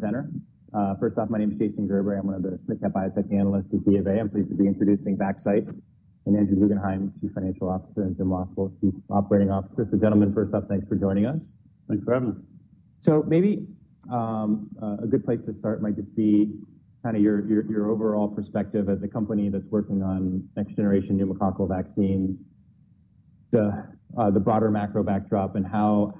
Company presenter. First off, my name is Jason Gerberry. I'm one of the Smid Cap Biotech analysts at BofA. I'm pleased to be introducing Vaxcyte and Andrew Guggenhime, Chief Financial Officer, and Jim Wassil, Chief Operating Officer. So, gentlemen, first off, thanks for joining us. Thanks for having us. Maybe a good place to start might just be kind of your overall perspective as a company that's working on next-generation pneumococcal vaccines, the broader macro backdrop, and how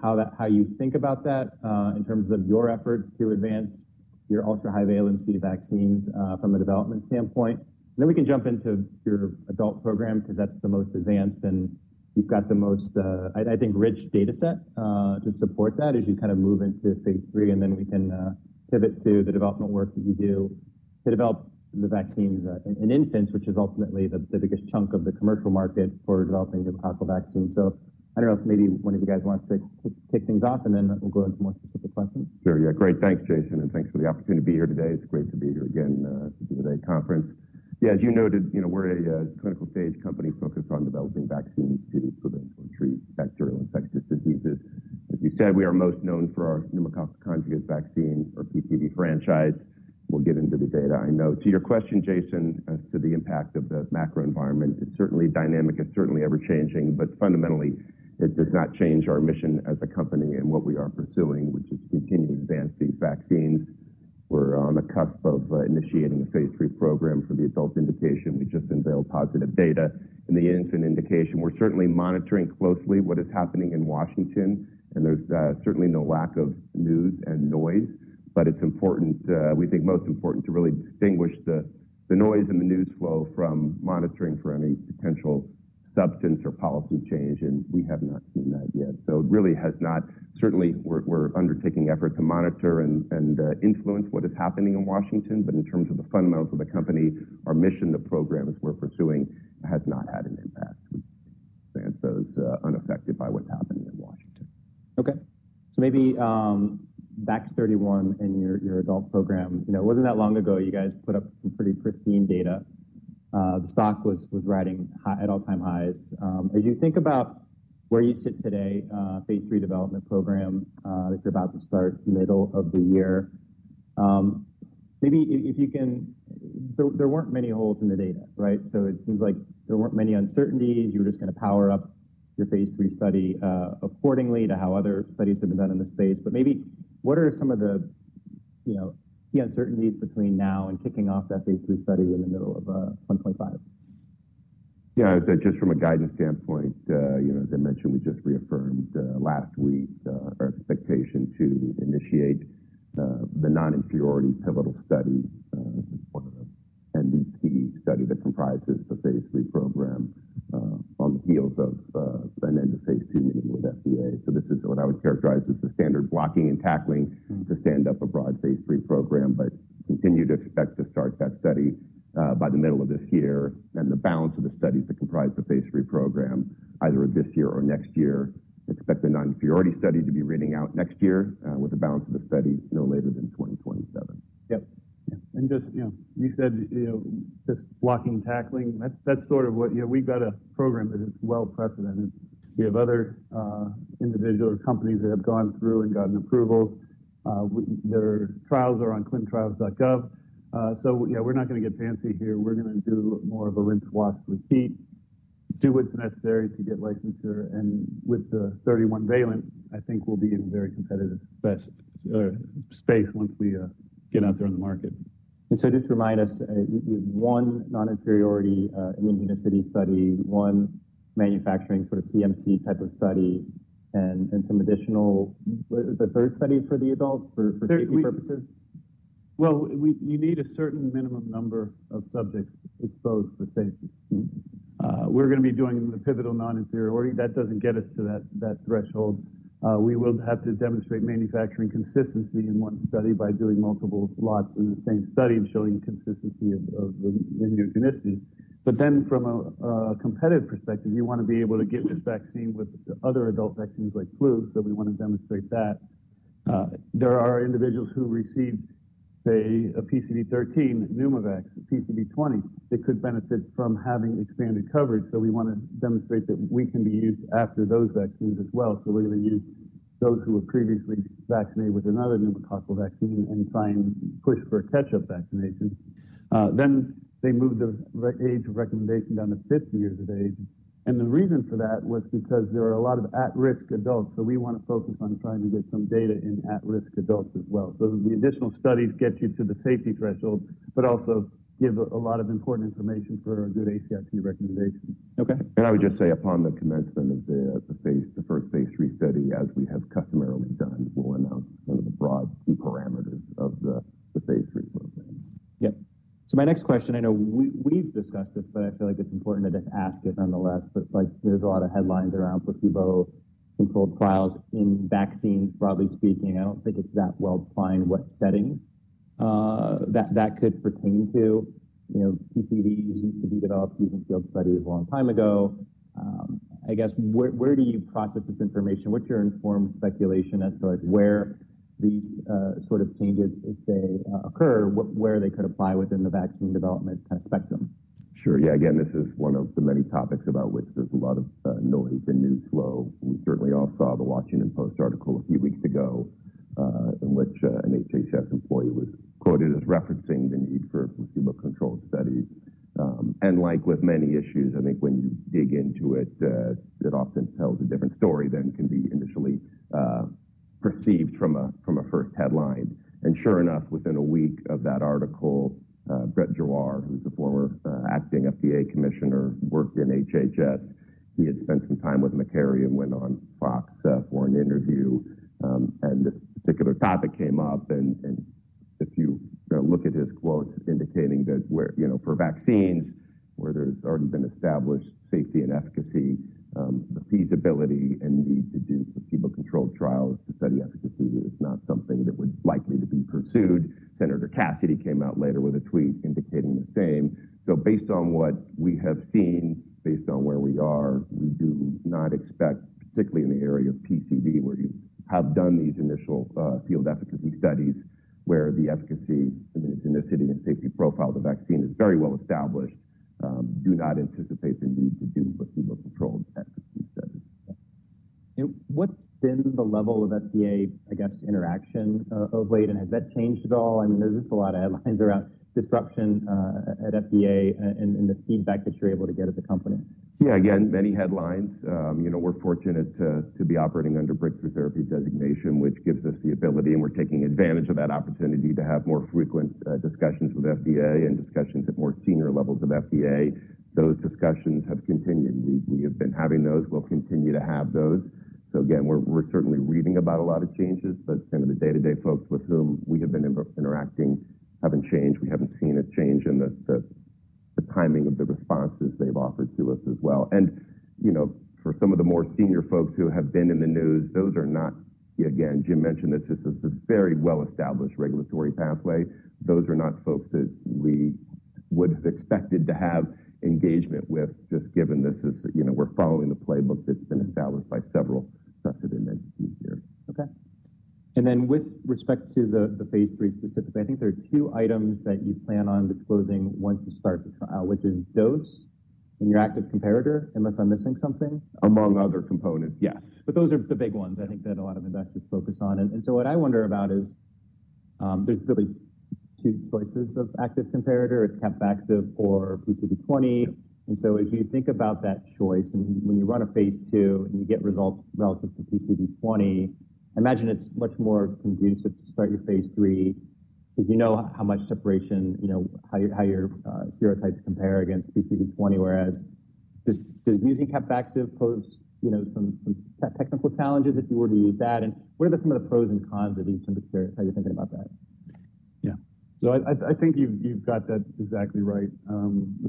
you think about that in terms of your efforts to advance your ultra-high valency vaccines from a development standpoint. Then we can jump into your adult program because that's the most advanced, and you've got the most, I think, rich data set to support that as you kind of move into phase III. Then we can pivot to the development work that you do to develop the vaccines in infants, which is ultimately the biggest chunk of the commercial market for developing pneumococcal vaccines. I don't know if maybe one of you guys wants to kick things off, and then we'll go into more specific questions. Sure. Yeah, great. Thanks, Jason. And thanks for the opportunity to be here today. It's great to be here again at the DOA conference. Yeah, as you noted, we're a clinical-stage company focused on developing vaccines to prevent or treat bacterial infectious diseases. As you said, we are most known for our pneumococcal conjugate vaccine, or PCV, franchise. We'll get into the data, I know. To your question, Jason, as to the impact of the macro environment, it's certainly dynamic. It's certainly ever-changing. Fundamentally, it does not change our mission as a company and what we are pursuing, which is to continue to advance these vaccines. We're on the cusp of initiating a phase III program for the adult indication. We just unveiled positive data in the infant indication. We're certainly monitoring closely what is happening in Washington. There's certainly no lack of news and noise. It is important, we think most important, to really distinguish the noise and the news flow from monitoring for any potential substance or policy change. We have not seen that yet. It really has not. Certainly, we are undertaking efforts to monitor and influence what is happening in Washington. In terms of the fundamentals of the company, our mission, the programs we are pursuing, it has not had an impact. We think those are unaffected by what is happening in Washington. Okay. So maybe back to 31 and your adult program. It wasn't that long ago, you guys put up some pretty pristine data. The stock was riding at all-time highs. As you think about where you sit today, phase III development program that you're about to start middle of the year, maybe if you can--there weren't many holes in the data, right? It seems like there weren't many uncertainties. You were just going to power up your phase III study accordingly to how other studies have been done in the space. Maybe what are some of the uncertainties between now and kicking off that phase III study in the middle of 2025? Yeah, just from a guidance standpoint, as I mentioned, we just reaffirmed last week our expectation to initiate the non-inferiority pivotal study, one of the NVP studies that comprises the phase III program on the heels of an end of phase II meeting with FDA. This is what I would characterize as the standard blocking and tackling to stand up a broad phase III program. Continue to expect to start that study by the middle of this year. The balance of the studies that comprise the phase III program, either of this year or next year, expect the non-inferiority study to be reading out next year with the balance of the studies no later than 2027. Yep. And just, you said just blocking and tackling, that's sort of what we've got a program that is well precedented. We have other individuals or companies that have gone through and gotten approvals. Their trials are on clintrials.gov. Yeah, we're not going to get fancy here. We're going to do more of a lint wash repeat, do what's necessary to get licensure. With the 31 valent, I think we'll be in a very competitive space once we get out there on the market. Just remind us, you have one non-inferiority immunogenicity study, one manufacturing sort of CMC type of study, and some additional-- the third study for the adult for safety purposes? You need a certain minimum number of subjects exposed for safety. We're going to be doing the pivotal non-inferiority. That does not get us to that threshold. We will have to demonstrate manufacturing consistency in one study by doing multiple lots in the same study and showing consistency of the immunogenicity. From a competitive perspective, you want to be able to get this vaccine with other adult vaccines like flu. We want to demonstrate that. There are individuals who received, say, a PCV13, Pneumovax, PCV20. They could benefit from having expanded coverage. We want to demonstrate that we can be used after those vaccines as well. We are going to use those who were previously vaccinated with another pneumococcal vaccine and try and push for a catch-up vaccination. They moved the age of recommendation down to 50 years of age. The reason for that was because there are a lot of at-risk adults. We want to focus on trying to get some data in at-risk adults as well. The additional studies get you to the safety threshold, but also give a lot of important information for a good ACIP recommendation. Okay. I would just say upon the commencement of the first phase III study, as we have customarily done, we'll announce some of the broad key parameters of the phase III program. Yep. My next question, I know we've discussed this, but I feel like it's important to just ask it nonetheless. There's a lot of headlines around placebo-controlled trials in vaccines, broadly speaking. I don't think it's that well defined what settings that could pertain to. PCVs used to be developed using field studies a long time ago. I guess, where do you process this information? What's your informed speculation as to where these sort of changes, if they occur, where they could apply within the vaccine development kind of spectrum? Sure. Yeah. Again, this is one of the many topics about which there's a lot of noise and news flow. We certainly all saw the Washington Post article a few weeks ago in which an HHS employee was quoted as referencing the need for placebo-controlled studies. Like with many issues, I think when you dig into it, it often tells a different story than can be initially perceived from a first headline. Sure enough, within a week of that article, Brett Giroir, who's a former acting FDA commissioner, worked in HHS. He had spent some time with McCarry and went on Fox for an interview. This particular topic came up. If you look at his quotes indicating that for vaccines, where there's already been established safety and efficacy, the feasibility and need to do placebo-controlled trials to study efficacy is not something that would likely to be pursued. Senator Cassidy came out later with a tweet indicating the same. Based on what we have seen, based on where we are, we do not expect, particularly in the area of PCV, where you have done these initial field efficacy studies where the efficacy, immunogenicity, and safety profile of the vaccine is very well established, do not anticipate the need to do placebo-controlled efficacy studies. What's been the level of FDA, I guess, interaction of late, and has that changed at all? I mean, there's just a lot of headlines around disruption at FDA and the feedback that you're able to get at the company. Yeah, again, many headlines. We're fortunate to be operating under breakthrough therapy designation, which gives us the ability, and we're taking advantage of that opportunity to have more frequent discussions with FDA and discussions at more senior levels of FDA. Those discussions have continued. We have been having those. We'll continue to have those. Again, we're certainly reading about a lot of changes. Some of the day-to-day folks with whom we have been interacting haven't changed. We haven't seen a change in the timing of the responses they've offered to us as well. For some of the more senior folks who have been in the news, those are not, again, Jim mentioned this, this is a very well-established regulatory pathway. Those are not folks that we would have expected to have engagement with, just given this is we're following the playbook that's been established by several trusted entities here. Okay. With respect to the phase III specifically, I think there are two items that you plan on disclosing once you start the trial, which is dose and your active comparator, unless I'm missing something. Among other components, yes. Those are the big ones I think that a lot of investors focus on. What I wonder about is there's really two choices of active comparator: it's Capvaxive or PCV20. As you think about that choice, and when you run a phase II and you get results relative to PCV20, I imagine it's much more conducive to start your phase III because you know how much separation, how your serotypes compare against PCV20, whereas does using Capvaxive pose some technical challenges if you were to use that? What are some of the pros and cons of these? How are you thinking about that? Yeah. So I think you've got that exactly right.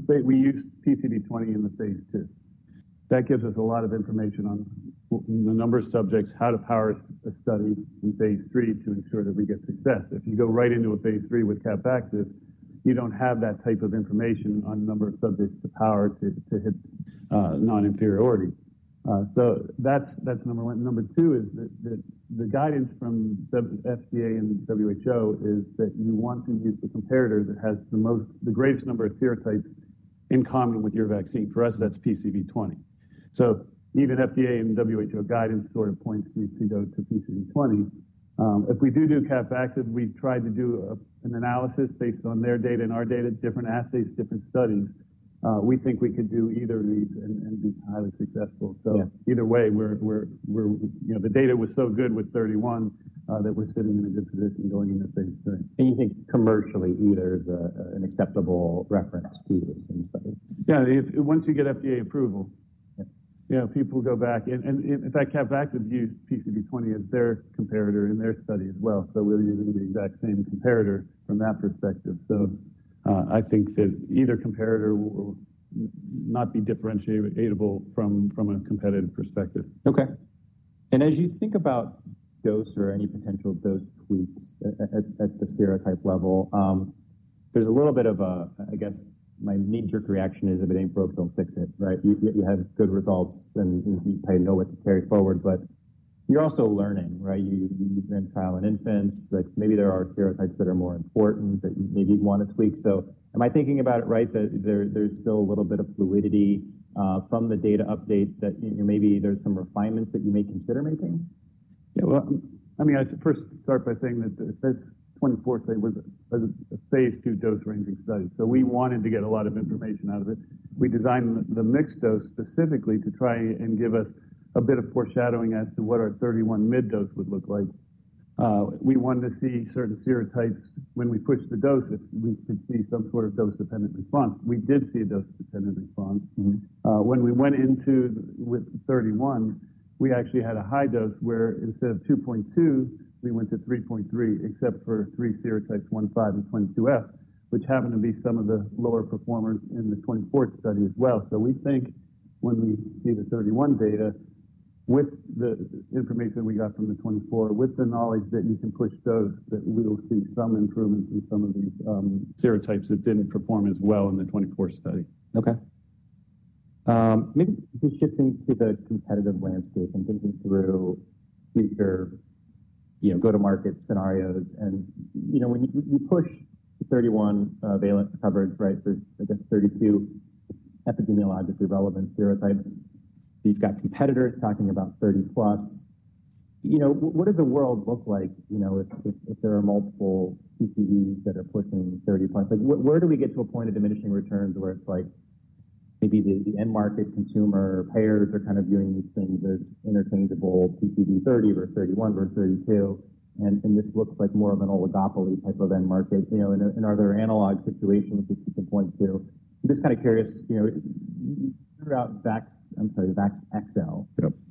We use PCV20 in the phase II. That gives us a lot of information on the number of subjects, how to power a study in phase III to ensure that we get success. If you go right into a phase III with Capvaxive, you don't have that type of information on the number of subjects to power to hit non-inferiority. That's number one. Number two is that the guidance from FDA and WHO is that you want to use the comparator that has the greatest number of serotypes in common with your vaccine. For us, that's PCV20. Even FDA and WHO guidance sort of points you to go to PCV20. If we do do Capvaxive, we've tried to do an analysis based on their data and our data, different assays, different studies. We think we could do either of these and be highly successful. Either way, the data was so good with 31 that we're sitting in a good position going into phase III. You think commercially either is an acceptable reference to do this kind of study? Yeah. Once you get FDA approval, people go back. In fact, Capvaxive used PCV20 as their comparator in their study as well. We are using the exact same comparator from that perspective. I think that either comparator will not be differentiatable from a competitive perspective. Okay. As you think about dose or any potential dose tweaks at the serotype level, there's a little bit of a, I guess, my knee-jerk reaction is if it ain't broke, don't fix it, right? You have good results, and you probably know what to carry forward. You're also learning, right? You've been trialing infants. Maybe there are serotypes that are more important that you maybe want to tweak. Am I thinking about it right, that there's still a little bit of fluidity from the data update, that maybe there's some refinements that you may consider making? Yeah. I mean, I should first start by saying that this 24th day was a phase II dose-ranging study. We wanted to get a lot of information out of it. We designed the mixed dose specifically to try and give us a bit of foreshadowing as to what our 31 mid-dose would look like. We wanted to see certain serotypes when we pushed the dose, if we could see some sort of dose-dependent response. We did see a dose-dependent response. When we went into with 31, we actually had a high dose where instead of 2.2, we went to 3.3, except for three serotypes, 15 and 22F, which happened to be some of the lower performers in the 24th study as well. We think when we see the 31 data with the information we got from the 24, with the knowledge that you can push dose, that we'll see some improvements in some of these serotypes that did not perform as well in the 24 study. Okay. Maybe just shifting to the competitive landscape and thinking through your go-to-market scenarios. When you push 31-valent coverage, right, for, I guess, 32 epidemiologically relevant serotypes, you have got competitors talking about 30-plus. What does the world look like if there are multiple PCVs that are pushing 30+? Where do we get to a point of diminishing returns where it is like maybe the end market consumer payers are kind of viewing these things as interchangeable, PCV30 versus 31 versus 32? This looks like more of an oligopoly type of end market. Are there analog situations that you can point to? I am just kind of curious. Throughout VAX, I am sorry, VAX-XL,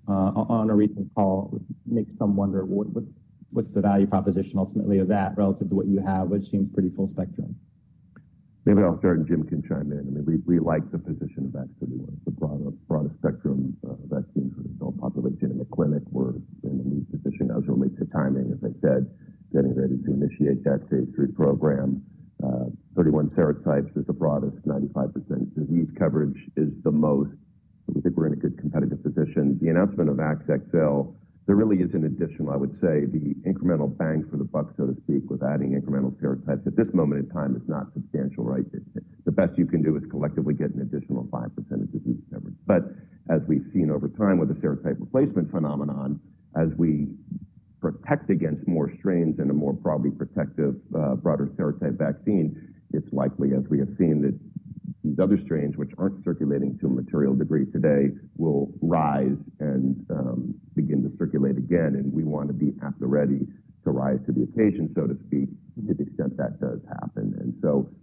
on a recent call, makes some wonder, what is the value proposition ultimately of that relative to what you have, which seems pretty full spectrum? Maybe I'll start and Jim can chime in. I mean, we like the position of VAX-31. It's the broadest spectrum of vaccines for the adult population in the clinic. We're in the lead position as it relates to timing, as I said, getting ready to initiate that phase III program. Thirty one serotypes is the broadest. 95% disease coverage is the most. We think we're in a good competitive position. The announcement of VAX-XL, there really is an additional, I would say, the incremental bang for the buck, so to speak, with adding incremental serotypes at this moment in time is not substantial, right? The best you can do is collectively get an additional 5% of disease coverage. As we've seen over time with the serotype replacement phenomenon, as we protect against more strains and a more probably protective broader serotype vaccine, it's likely, as we have seen, that these other strains, which aren't circulating to a material degree today, will rise and begin to circulate again. We want to be at the ready to rise to the occasion, so to speak, to the extent that does happen.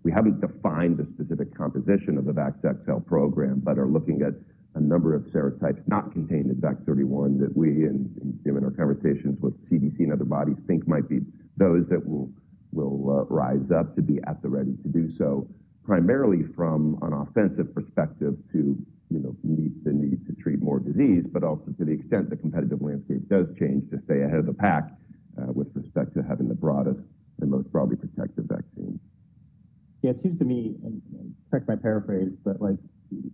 We haven't defined the specific composition of the VAX-XL program, but are looking at a number of serotypes not contained in VAX-31 that we, in our conversations with CDC and other bodies, think might be those that will rise up to be at the ready to do so, primarily from an offensive perspective to meet the need to treat more disease, but also to the extent the competitive landscape does change to stay ahead of the pack with respect to having the broadest and most broadly protective vaccine. Yeah. It seems to me, and correct my paraphrase, but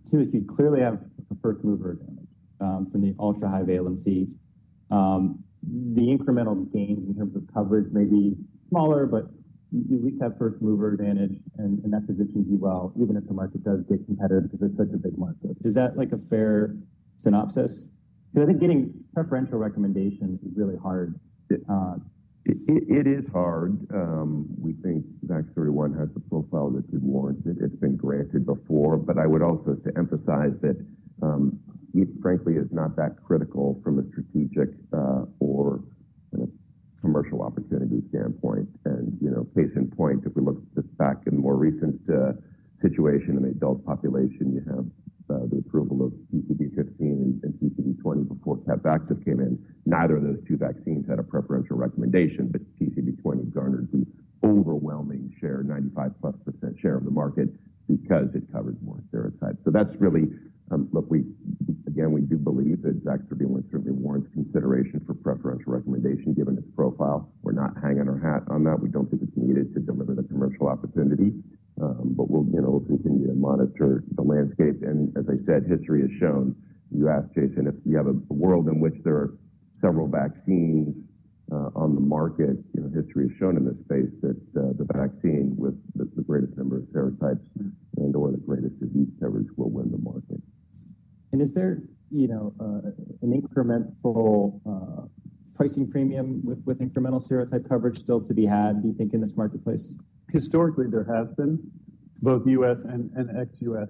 too, if you clearly have a first mover advantage from the ultra-high valency, the incremental gains in terms of coverage may be smaller, but you at least have first mover advantage. That position would be well, even if the market does get competitive because it's such a big market. Is that like a fair synopsis? I think getting preferential recommendation is really hard. It is hard. We think VAX-31 has a profile that could warrant it. It's been granted before. I would also emphasize that it, frankly, is not that critical from a strategic or commercial opportunity standpoint. Case in point, if we look back in the more recent situation in the adult population, you have the approval of PCV15 and PCV20 before Capvaxive came in. Neither of those two vaccines had a preferential recommendation, but PCV20 garnered the overwhelming share, 95%+ share of the market because it covered more serotypes. That's really, look, again, we do believe that VAX-31 certainly warrants consideration for preferential recommendation given its profile. We're not hanging our hat on that. We don't think it's needed to deliver the commercial opportunity. We'll continue to monitor the landscape. As I said, history has shown, you asked, Jason, if you have a world in which there are several vaccines on the market, history has shown in this space that the vaccine with the greatest number of serotypes and/or the greatest disease coverage will win the market. Is there an incremental pricing premium with incremental serotype coverage still to be had, do you think, in this marketplace? Historically, there has been, both U.S. and ex-U.S.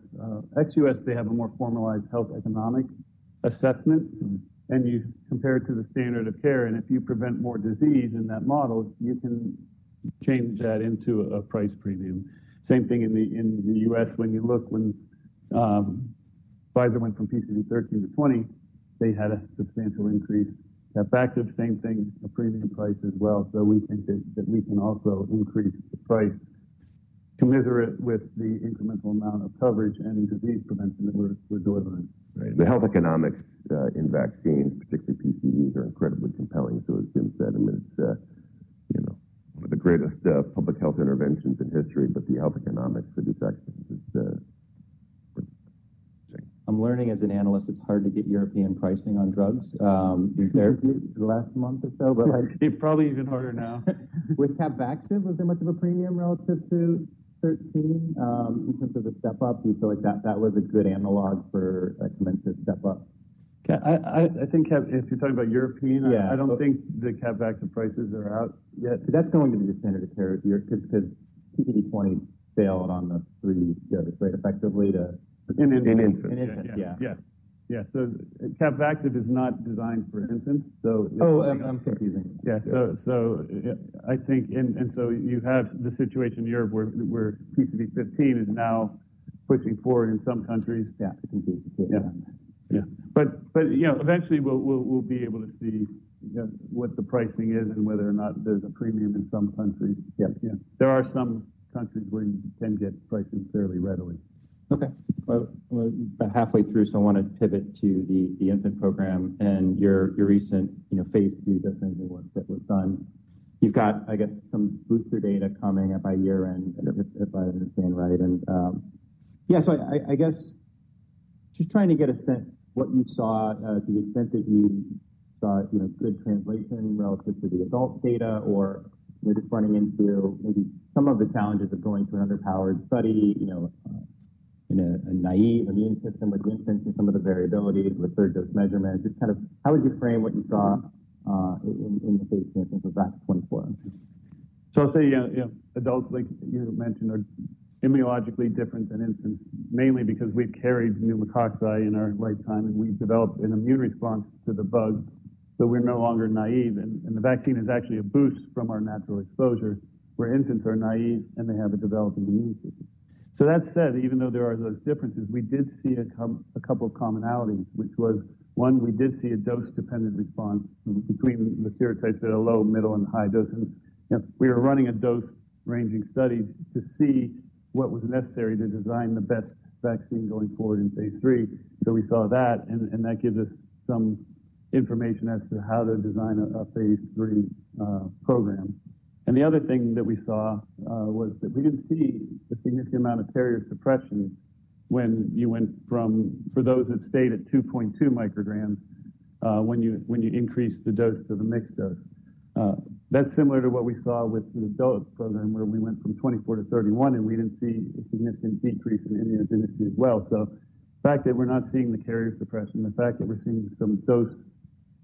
Ex-U.S., they have a more formalized health economic assessment. You compare it to the standard of care. If you prevent more disease in that model, you can change that into a price premium. Same thing in the U.S. When you look, Pfizer went from PCV13 to 20. They had a substantial increase. Capvaxive, same thing, a premium price as well. We think that we can also increase the price commensurate with the incremental amount of coverage and disease prevention that we're delivering. Right. The health economics in vaccines, particularly PCVs, are incredibly compelling. As Jim said, I mean, it's one of the greatest public health interventions in history. The health economics for these vaccines is pretty interesting. I'm learning as an analyst, it's hard to get European pricing on drugs. Last month or so. It's probably even harder now. Was Capvaxive, was it much of a premium relative to 13 in terms of the step-up? Do you feel like that was a good analog for a commensurate step-up? I think if you're talking about Europe, I don't think the Capvaxive prices are out yet. That's going to be the standard of care because PCV20 failed on the three doses, right, effectively too. In infants. In infants, yeah. Yeah. Yeah. So Capvaxive is not designed for infants. Oh, I'm confusing. Yeah. So I think, and so you have the situation here where PCV15 is now pushing forward in some countries. Yeah. Eventually, we'll be able to see what the pricing is and whether or not there's a premium in some countries. There are some countries where you can get pricing fairly readily. Okay. We're about halfway through, so I want to pivot to the infant program and your recent phase II definition work that was done. You've got, I guess, some booster data coming up by year end, if I understand right. Yeah, so I guess just trying to get a sense of what you saw, to the extent that you saw good translation relative to the adult data or just running into maybe some of the challenges of going to an underpowered study in a naive immune system with the infants and some of the variability with third-dose measurement. Just kind of how would you frame what you saw in the case of VAX-24? I'll say adults, like you mentioned, are immunologically different than infants, mainly because we've carried pneumococci in our lifetime, and we've developed an immune response to the bug. We're no longer naive. The vaccine is actually a boost from our natural exposure where infants are naive and they have a developing immune system. That said, even though there are those differences, we did see a couple of commonalities, which was, one, we did see a dose-dependent response between the serotypes at a low, middle, and high dose. We were running a dose-ranging study to see what was necessary to design the best vaccine going forward in phase III. We saw that, and that gives us some information as to how to design a phase III program. The other thing that we saw was that we did not see a significant amount of carrier suppression when you went from, for those that stayed at 2.2 micrograms, when you increased the dose to the mixed dose. That is similar to what we saw with the adult program where we went from 24 to 31, and we did not see a significant decrease in immunogenicity as well. The fact that we are not seeing the carrier suppression, the fact that we are seeing some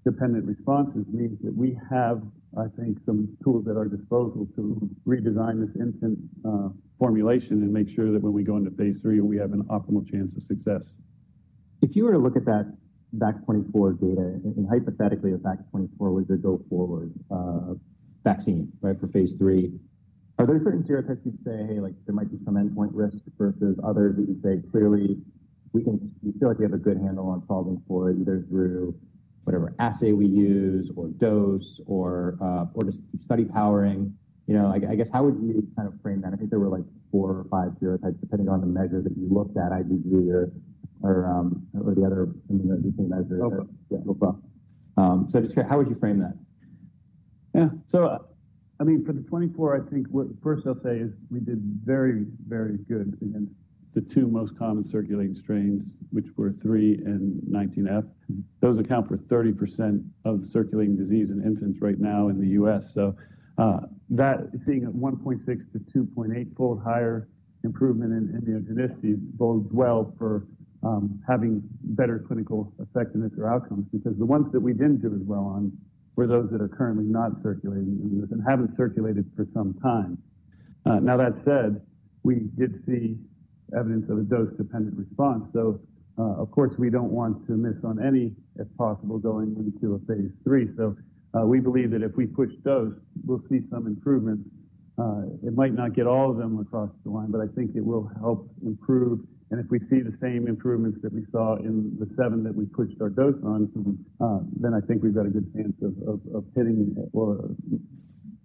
dose-dependent responses means that we have, I think, some tools at our disposal to redesign this infant formulation and make sure that when we go into phase III, we have an optimal chance of success. If you were to look at that VAX-24 data, and hypothetically, if VAX-24 was a go-forward vaccine, right, for phase III, are there certain serotypes you'd say, "Hey, there might be some endpoint risk versus others that you'd say clearly we feel like we have a good handle on solving for either through whatever assay we use or dose or just study powering"? I guess, how would you kind of frame that? I think there were like four or five serotypes depending on the measure that you looked at, IgG or the other immunogenicity measure. Oh, both. Yeah, both. Just how would you frame that? Yeah. So I mean, for the 24, I think first I'll say is we did very, very good against the two most common circulating strains, which were 3 and 19F. Those account for 30% of circulating disease in infants right now in the U.S. That, seeing a 1.6 fold-2.8 fold higher improvement in immunogenicity, bodes well for having better clinical effectiveness or outcomes because the ones that we didn't do as well on were those that are currently not circulating and haven't circulated for some time. That said, we did see evidence of a dose-dependent response. Of course, we don't want to miss on any, if possible, going into a phase III. We believe that if we push dose, we'll see some improvements. It might not get all of them across the line, but I think it will help improve. If we see the same improvements that we saw in the seven that we pushed our dose on, then I think we've got a good chance of hitting or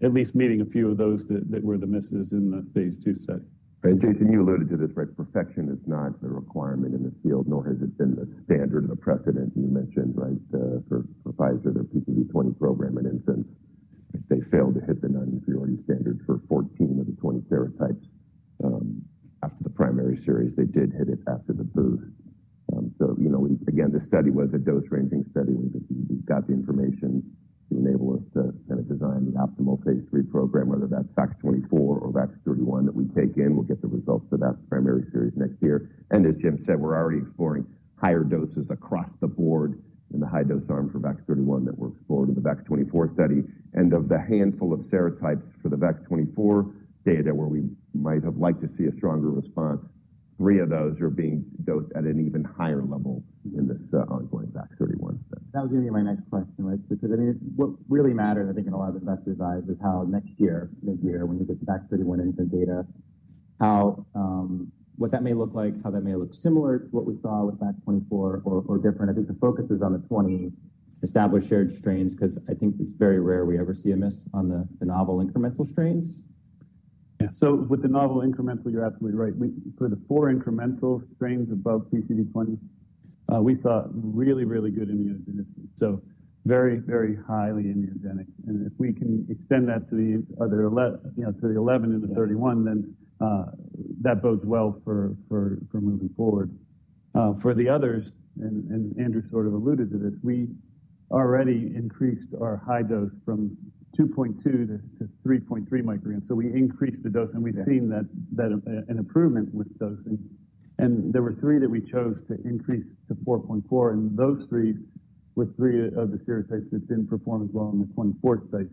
at least meeting a few of those that were the misses in the phase II study. Right. Jason, you alluded to this, right? Perfection is not a requirement in this field, nor has it been the standard or the precedent you mentioned, right, for Pfizer or PCV20 program in infants. They failed to hit the non-inferiority standard for 14 of the 20 serotypes after the primary series. They did hit it after the boost. The study was a dose-ranging study. We got the information to enable us to kind of design the optimal phase III program, whether that is VAX-24 or VAX-31 that we take in. We will get the results of that primary series next year. As Jim said, we are already exploring higher doses across the board in the high-dose arm for VAX-31 that were explored in the VAX-24 study. Of the handful of serotypes for the VAX-24 data where we might have liked to see a stronger response, three of those are being dosed at an even higher level in this ongoing VAX-31 study. That was going to be my next question, right? Because I mean, what really matters, I think, in a lot of investors' eyes is how next year, mid-year, when you get the VAX-31 infant data, what that may look like, how that may look similar to what we saw with VAX-24 or different. I think the focus is on the 20 established shared strains because I think it is very rare we ever see a miss on the novel incremental strains. Yeah. With the novel incremental, you're absolutely right. For the four incremental strains above PCV20, we saw really, really good immunogenicity. Very, very highly immunogenic. If we can extend that to the 11 and the 31, then that bodes well for moving forward. For the others, and Andrew sort of alluded to this, we already increased our high dose from 2.2 to 3.3 micrograms. We increased the dose, and we've seen an improvement with dosing. There were three that we chose to increase to 4.4. Those three were three of the serotypes that did not perform as well in the 24th study.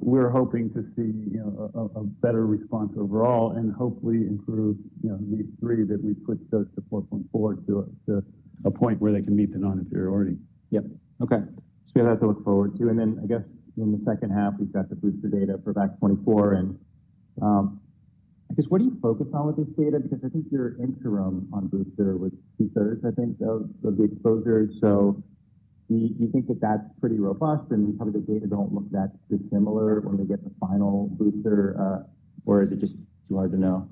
We're hoping to see a better response overall and hopefully improve these three that we pushed dose to 4.4 to a point where they can meet the non-inferiority. Yep. Okay. We have to look forward to. I guess in the second half, we've got the booster data for VAX-24. I guess, what do you focus on with this data? Because I think your interim on booster was two-thirds, I think, of the exposure. You think that that's pretty robust, and probably the data do not look that dissimilar when we get the final booster, or is it just too hard to know?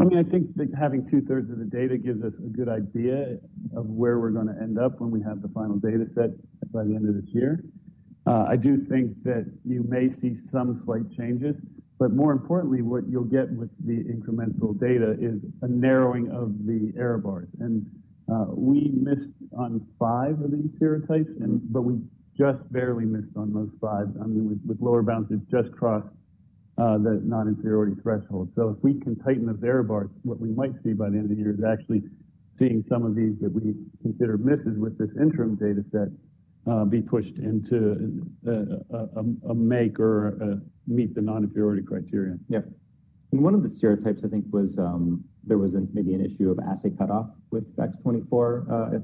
I mean, I think that having two-thirds of the data gives us a good idea of where we're going to end up when we have the final dataset by the end of this year. I do think that you may see some slight changes. More importantly, what you'll get with the incremental data is a narrowing of the error bars. We missed on five of these serotypes, but we just barely missed on those five. I mean, with lower bounds, just crossed the non-inferiority threshold. If we can tighten those error bars, what we might see by the end of the year is actually seeing some of these that we consider misses with this interim dataset be pushed into a make or meet the non-inferiority criteria. Yep. One of the serotypes, I think, was there was maybe an issue of assay cutoff with VAX-24.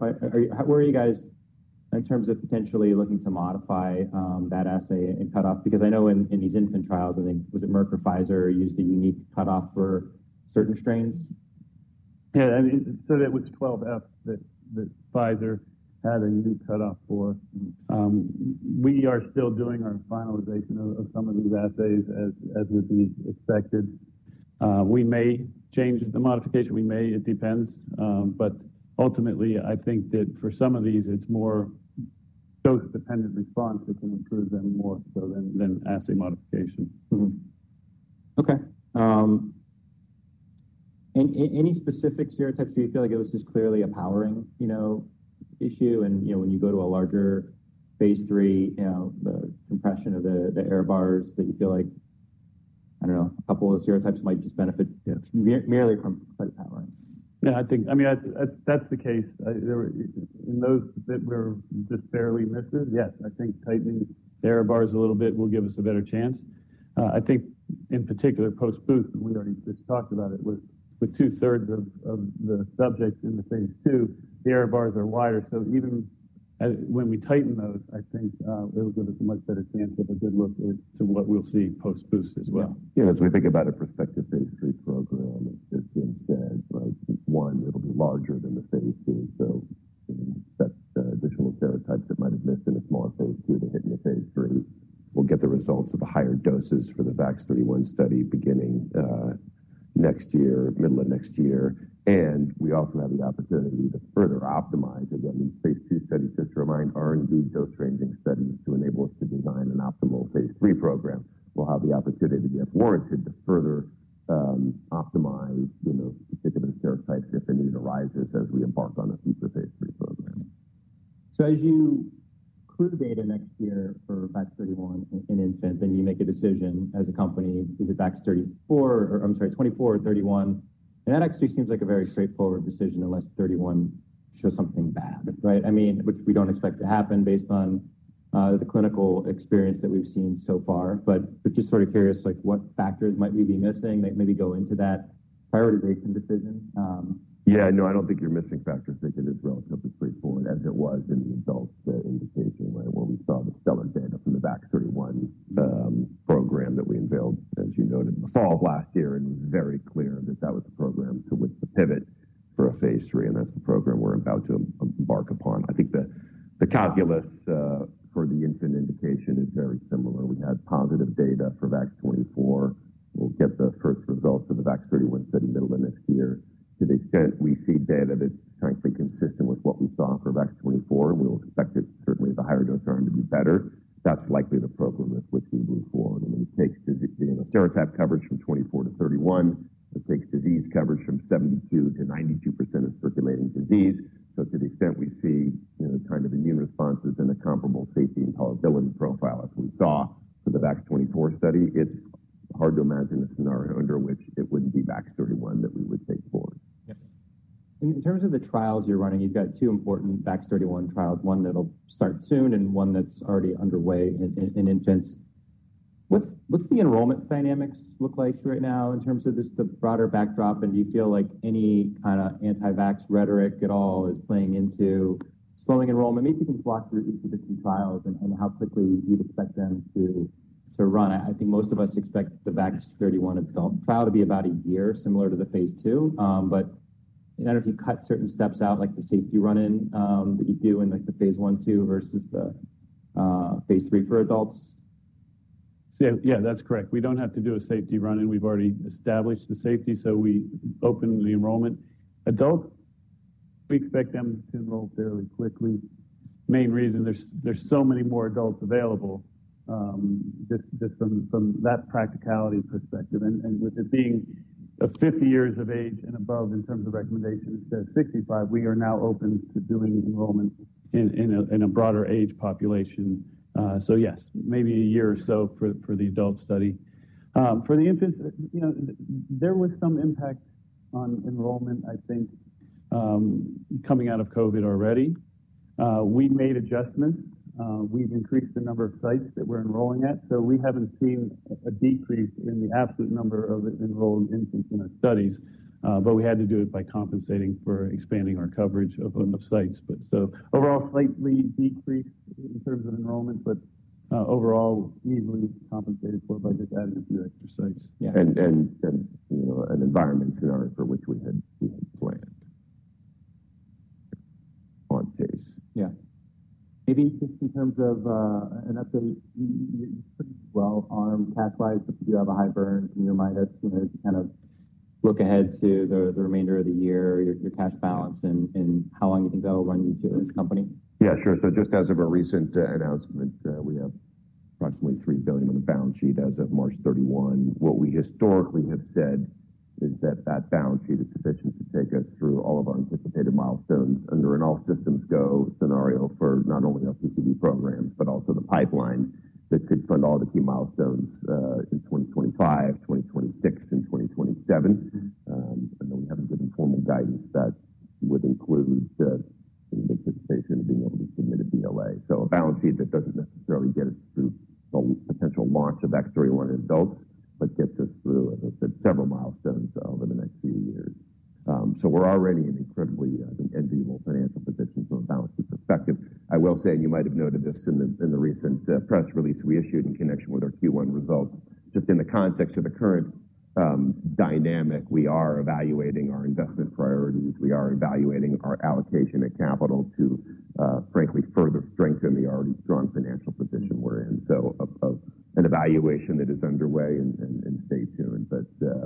Where are you guys in terms of potentially looking to modify that assay and cutoff? I know in these infant trials, I think, was it Merck or Pfizer used a unique cutoff for certain strains? Yeah. I mean, so that was 12F that Pfizer had a unique cutoff for. We are still doing our finalization of some of these assays as is expected. We may change the modification. We may. It depends. Ultimately, I think that for some of these, it is more dose-dependent response that can improve them more so than assay modification. Okay. Any specific serotypes where you feel like it was just clearly a powering issue? When you go to a larger phase III, the compression of the error bars that you feel like, I don't know, a couple of the serotypes might just benefit merely from slight powering? Yeah. I mean, that's the case. In those that were just barely misses, yes, I think tightening the error bars a little bit will give us a better chance. I think in particular, post-boost, and we already just talked about it, with two-thirds of the subjects in the phase II, the error bars are wider. So even when we tighten those, I think it'll give us a much better chance of a good look to what we'll see post-boost as well. Yeah. As we think about a prospective phase III program, as Jim said, right, one, it'll be larger than the phase II. That's additional serotypes that might have missed in a smaller phase II to hit in the phase III. We'll get the results of the higher doses for the VAX-31 study beginning next year, middle of next year. We also have the opportunity to further optimize again these phase II studies just to remind R&D dose-ranging studies to enable us to design an optimal phase III program. We'll have the opportunity to get warranted to further optimize specific serotypes if a need arises as we embark on a future phase III program. As you accrue data next year for VAX-31 in infants, then you make a decision as a company, is it VAX-24 or 31? That actually seems like a very straightforward decision unless 31 shows something bad, right? I mean, which we do not expect to happen based on the clinical experience that we have seen so far. I am just sort of curious, what factors might we be missing that maybe go into that priority rating decision? Yeah. No, I do not think you are missing factors. I think it is relatively straightforward as it was in the adults' indication, right, where we saw the stellar data from the VAX-31 program that we unveiled, as you noted, in the fall of last year. It was very clear that that was the program to which to pivot for a phase III. That is the program we are about to embark upon. I think the calculus for the infant indication is very similar. We had positive data for VAX-24. We'll get the first results of the VAX-31 study middle of next year. To the extent we see data that's frankly consistent with what we saw for VAX-24, we'll expect certainly the higher dose arm to be better. That's likely the program with which we move forward. I mean, it takes serotype coverage from 24 to 31. It takes disease coverage from 72%-92% of circulating disease. To the extent we see kind of immune responses and a comparable safety and tolerability profile as we saw for the VAX-24 study, it's hard to imagine a scenario under which it wouldn't be VAX-31 that we would take forward. Yep. In terms of the trials you're running, you've got two important VAX-31 trials, one that'll start soon and one that's already underway in infants. What's the enrollment dynamics look like right now in terms of just the broader backdrop? Do you feel like any kind of anti-vax rhetoric at all is playing into slowing enrollment? Maybe you can walk through each of the two trials and how quickly you'd expect them to run. I think most of us expect the VAX-31 adult trial to be about a year, similar to the phase II. I don't know if you cut certain steps out, like the safety run-in that you do in the phase I, III versus the phase III for adults. Yeah, that's correct. We don't have to do a safety run-in. We've already established the safety. We open the enrollment. Adults, we expect them to enroll fairly quickly. The main reason, there's so many more adults available just from that practicality perspective. With it being 50 years of age and above in terms of recommendation instead of 65, we are now open to doing enrollment in a broader age population. Yes, maybe a year or so for the adult study. For the infants, there was some impact on enrollment, I think, coming out of COVID already. We made adjustments. We've increased the number of sites that we're enrolling at. We haven't seen a decrease in the absolute number of enrolled infants in our studies. We had to do it by compensating for expanding our coverage of enough sites. Overall, slightly decreased in terms of enrollment, but overall, easily compensated for by just adding a few extra sites. Yeah. In an environment scenario for which we had planned on pace. Yeah. Maybe just in terms of an update, you're pretty well armed cash-wise, but you do have a high burn. Do you mind us kind of look ahead to the remainder of the year, your cash balance, and how long you think that will run you too as a company? Yeah. Sure. Just as of a recent announcement, we have approximately $3 billion on the balance sheet as of March 31. What we historically have said is that that balance sheet is sufficient to take us through all of our anticipated milestones under an all-systems-go scenario for not only our PCV program, but also the pipeline that could fund all the key milestones in 2025, 2026, and 2027. We have a bit of formal guidance that would include the anticipation of being able to submit a BLA. A balance sheet that does not necessarily get us through the potential launch of VAX-31 adults, but gets us through, as I said, several milestones over the next few years. We are already in an incredibly, I think, enviable financial position from a balance sheet perspective. I will say, and you might have noted this in the recent press release we issued in connection with our Q1 results, just in the context of the current dynamic, we are evaluating our investment priorities. We are evaluating our allocation of capital to, frankly, further strengthen the already strong financial position we are in. An evaluation that is underway and stay tuned.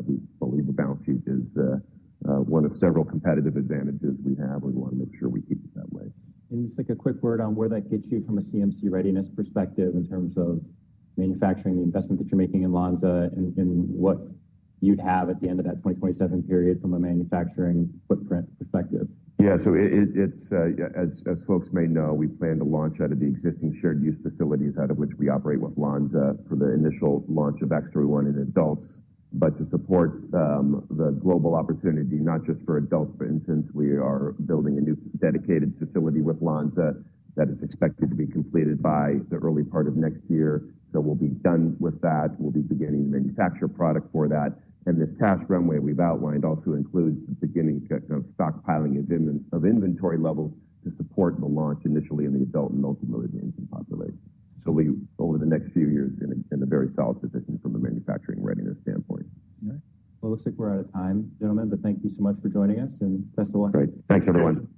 We believe the balance sheet is one of several competitive advantages we have. We want to make sure we keep it that way. Just like a quick word on where that gets you from a CMC readiness perspective in terms of manufacturing, the investment that you're making in Lonza and what you'd have at the end of that 2027 period from a manufacturing footprint perspective. Yeah. As folks may know, we plan to launch out of the existing shared use facilities out of which we operate with Lonza for the initial launch of VAX-31 in adults. To support the global opportunity, not just for adults, for infants, we are building a new dedicated facility with Lonza that is expected to be completed by the early part of next year. We'll be done with that. We'll be beginning to manufacture product for that. This cash runway we've outlined also includes the beginning of stockpiling of inventory levels to support the launch initially in the adult and ultimately the infant population. Over the next few years, we're in a very solid position from a manufacturing readiness standpoint. All right. It looks like we're out of time, gentlemen. Thank you so much for joining us. Best of luck. Great. Thanks, everyone.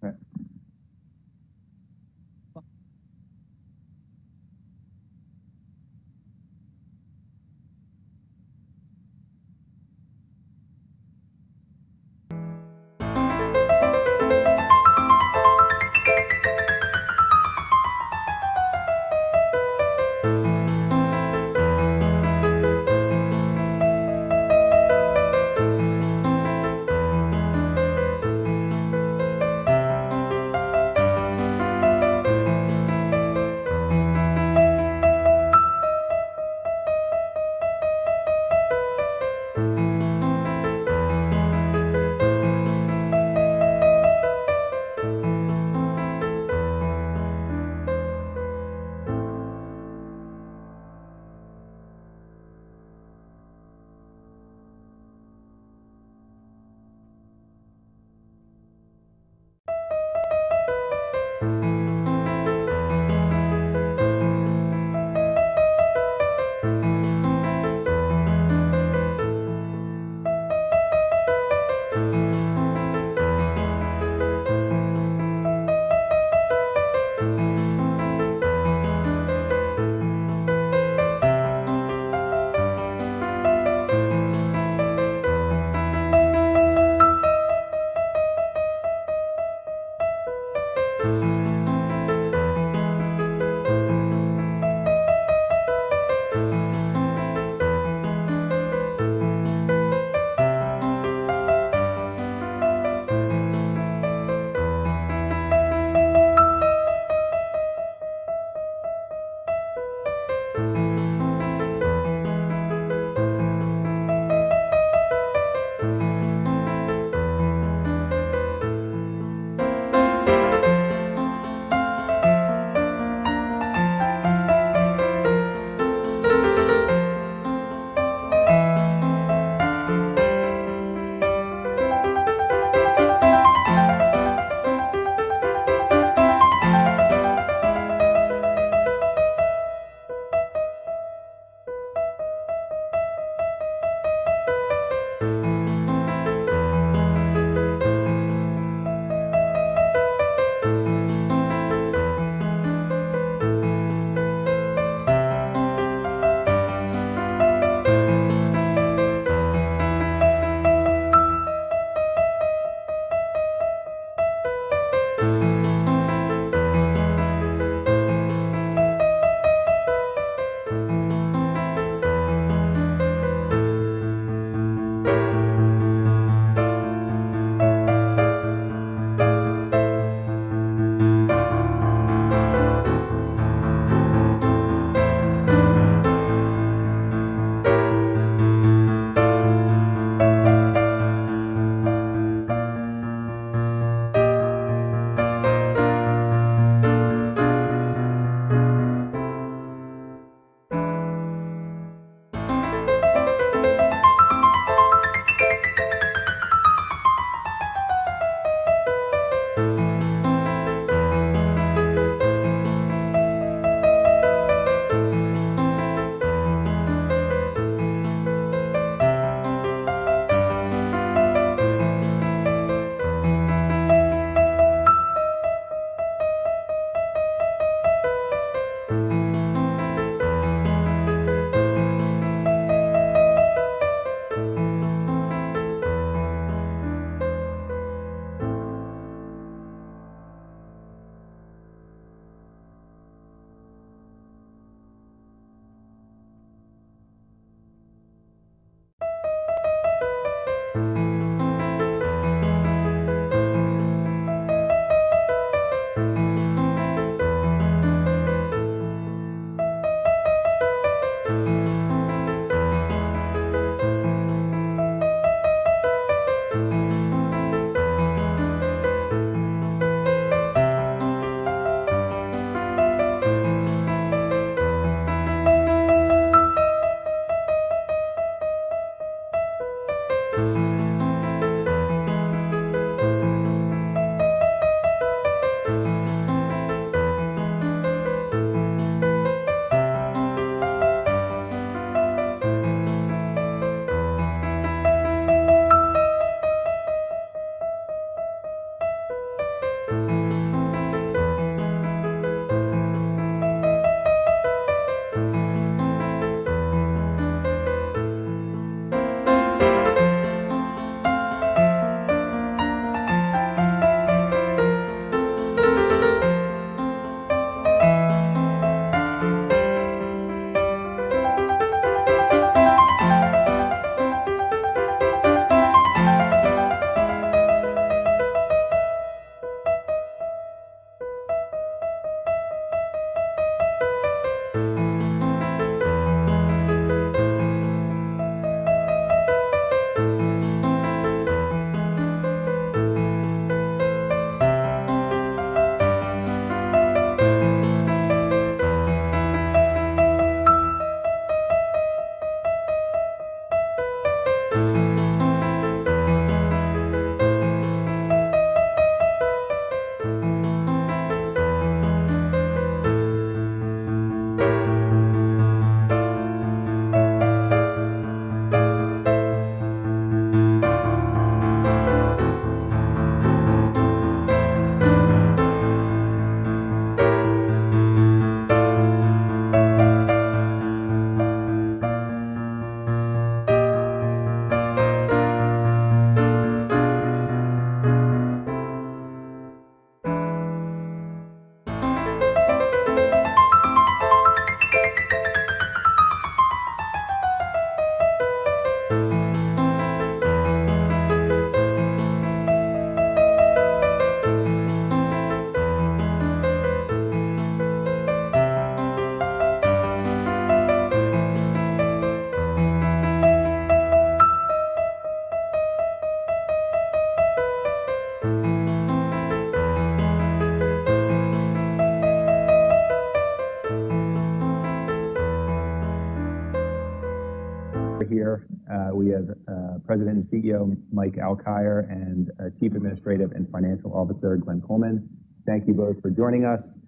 Here we have President and CEO Mike Alkire and Chief Administrative and Financial Officer Glenn Coleman. Thank you both for joining us.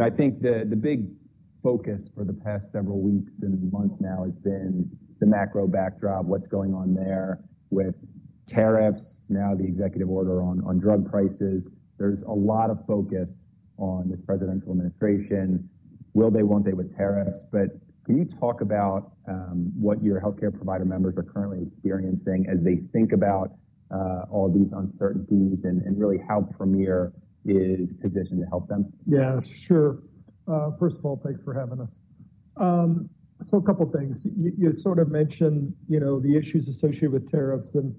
I think the big focus for the past several weeks and months now has been the macro backdrop, what's going on there with tariffs, now the executive order on drug prices. There's a lot of focus on this presidential administration. Will they, won't they with tariffs? But can you talk about what your healthcare provider members are currently experiencing as they think about all these uncertainties and really how Premier is positioned to help them? Yeah, sure. First of all, thanks for having us. So a couple of things. You sort of mentioned the issues associated with tariffs. And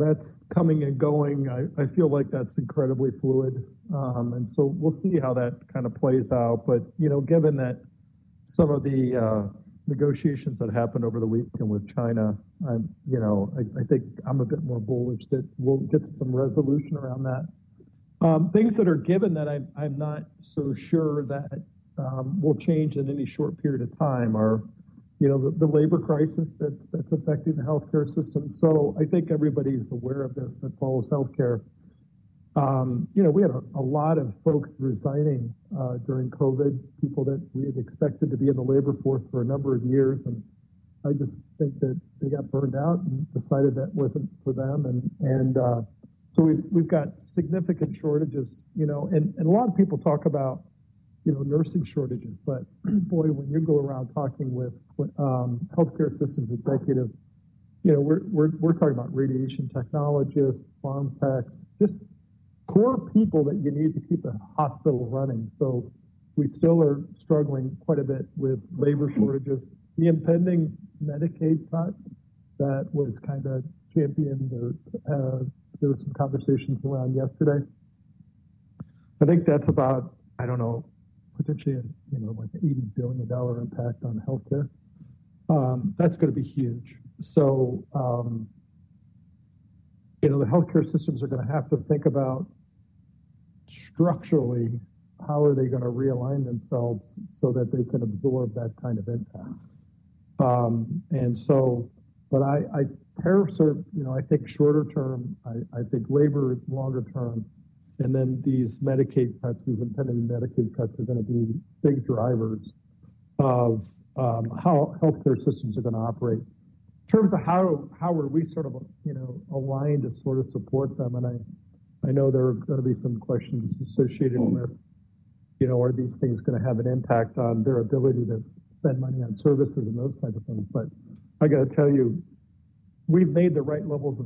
that's coming and going. I feel like that's incredibly fluid. And so we'll see how that kind of plays out. But given that some of the negotiations that happened over the weekend with China, I think I'm a bit more bullish that we'll get some resolution around that. Things that are given that I'm not so sure that will change in any short period of time are the labor crisis that's affecting the healthcare system. So I think everybody's aware of this that follows healthcare. We had a lot of folks resigning during COVID, people that we had expected to be in the labor force for a number of years. I just think that they got burned out and decided that was not for them. We have significant shortages. A lot of people talk about nursing shortages. When you go around talking with healthcare systems executives, we are talking about radiation technologists, pharm techs, just core people that you need to keep a hospital running. We still are struggling quite a bit with labor shortages. The impending Medicaid cut that was kind of championed, there were some conversations around yesterday. I think that is about, I do not know, potentially like an $80 billion impact on healthcare. That is going to be huge. The healthcare systems are going to have to think about structurally how are they going to realign themselves so that they can absorb that kind of impact. I think shorter term, I think labor is longer term. These Medicaid cuts, these impending Medicaid cuts are going to be big drivers of how healthcare systems are going to operate. In terms of how are we sort of aligned to sort of support them. I know there are going to be some questions associated with, are these things going to have an impact on their ability to spend money on services and those types of things. I got to tell you, we've made the right levels.